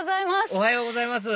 おはようございます